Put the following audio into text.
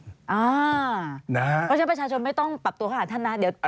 เพราะฉะนั้นประชาชนไม่ต้องปรับตัวเข้าหาท่านนะเดี๋ยว